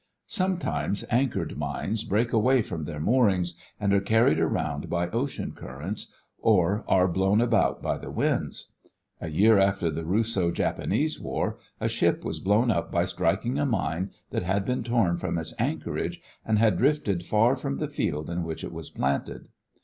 Sometimes anchored mines break away from their moorings and are carried around by ocean currents or are blown about by the winds. A year after the Russo Japanese War a ship was blown up by striking a mine that had been torn from its anchorage and had drifted far from the field in which it was planted.